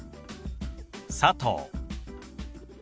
「佐藤」。